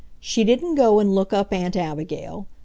She didn't go and look up Aunt Abigail.